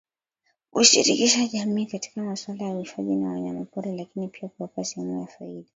Kuishirikisha jamii katika masuala ya uhifadhi wa wanyamapori lakini pia kuwapa sehemu ya faida